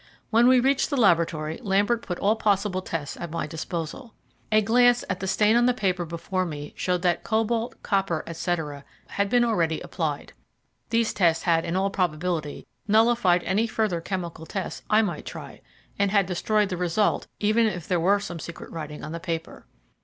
When we reached the laboratory, Lambert put all possible tests at my disposal. A glance at the stain on the paper before me showed that cobalt, copper, etc., had been already applied. These tests had, in all probability, nullified any further chemical tests I might try, and had destroyed the result, even if there were some secret writing on the paper.